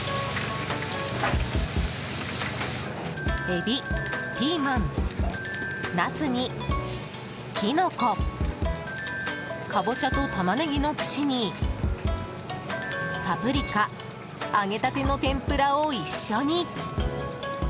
エビ、ピーマン、ナスにキノコカボチャとタマネギの串にパプリカ揚げたての天ぷらを一緒に。